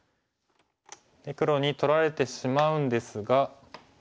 で黒に取られてしまうんですが。